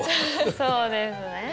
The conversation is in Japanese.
そうですね。